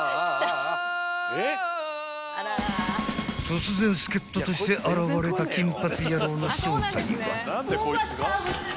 ［突然助っ人として現れた金髪野郎の正体は？］